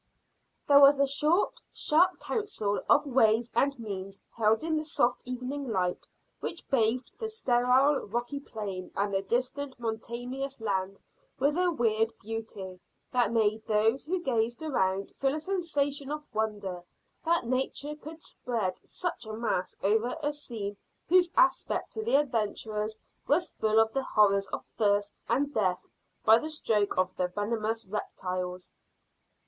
There was a short, sharp council of ways and means held in the soft evening light which bathed the sterile rocky plain and the distant mountainous land with a weird beauty, that made those who gazed around feel a sensation of wonder, that nature could spread such a mask over a scene whose aspect to the adventurers was full of the horrors of thirst, and death by the stroke of the venomous reptiles.